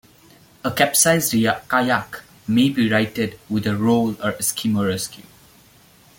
A capsized kayak may be righted with a roll or eskimo rescue.